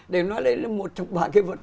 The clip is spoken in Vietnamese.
để nói là một trong bả cái vật